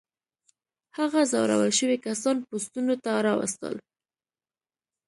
هغه ځورول شوي کسان پوستونو ته راوستل.